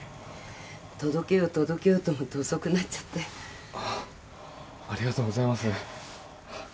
届けよう届けようと思って遅くなっちゃってありがとうございます